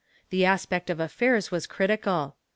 The aspect of affairs was critical."